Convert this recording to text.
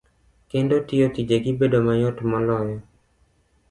kendo miyo tijegi bedo mayot moloyo.